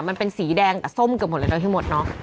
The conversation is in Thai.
มันเป็นสีแดงแต่ส้มเกือบหมดเลยเนอให้หมดเนอะ